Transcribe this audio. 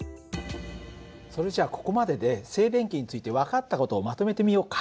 それじゃあここまでで静電気について分かった事をまとめてみようか。